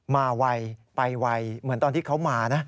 ไวไปไวเหมือนตอนที่เขามานะ